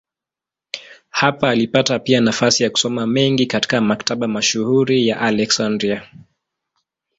Hapa alipata pia nafasi ya kusoma mengi katika maktaba mashuhuri ya Aleksandria.